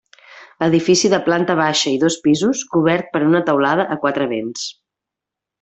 Edifici de planta baixa i dos pisos, cobert per una teulada a quatre vents.